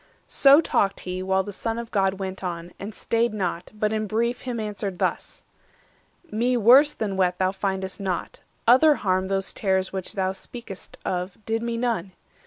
So talked he, while the Son of God went on, And staid not, but in brief him answered thus:— "Me worse than wet thou find'st not; other harm Those terrors which thou speak'st of did me none.